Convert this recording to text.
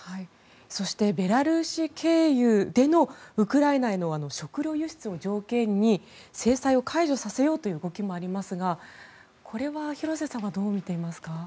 そしてベラルーシ経由でのウクライナへの食糧輸出を条件に制裁を解除させようという動きもありますがこれは廣瀬さんはどう見ていますか。